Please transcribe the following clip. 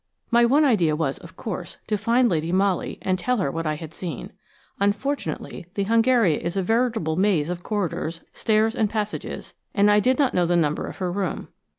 My one idea was, of course, to find Lady Molly and tell her what I had seen. Unfortunately, the Hungaria is a veritable maze of corridors, stairs and passages, and I did not know the number of her room.